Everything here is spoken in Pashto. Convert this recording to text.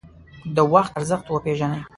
د وخت ارزښت وپیژنئ